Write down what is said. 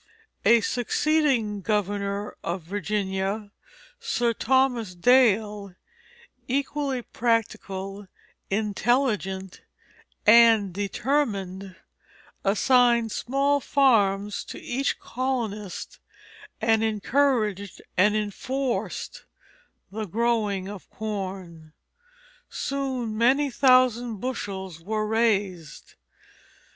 A succeeding governor of Virginia, Sir Thomas Dale, equally practical, intelligent, and determined, assigned small farms to each colonist, and encouraged and enforced the growing of corn. Soon many thousand bushels were raised.